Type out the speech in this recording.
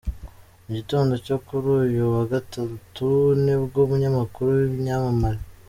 Mu gitondo cyo kuri uyu wa gatatu, nibwo umunyamakuru w’Ibyamamare.